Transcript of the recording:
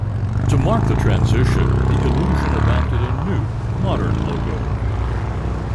To mark the transition, the Illusion adopted a new, modern logo.